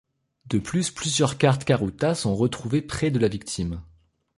De plus, plusieurs cartes karuta sont retrouvées près de la victime.